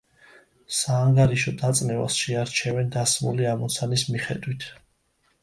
საანგარიშო დაწნევას შეარჩევენ დასმული ამოცანის მიხედვით.